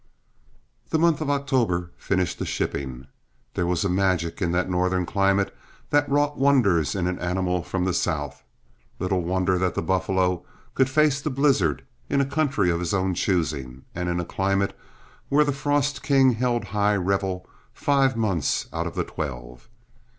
The month of October finished the shipping. There was a magic in that Northern climate that wrought wonders in an animal from the South. Little wonder that the buffalo could face the blizzard, in a country of his own choosing, and in a climate where the frost king held high revel five months out of the twelve.